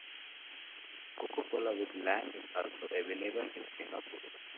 Coca-Cola with Lime is also available in Singapore.